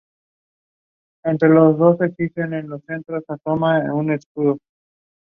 She is the daughter of the late Conservative assembly member Mohammad Asghar.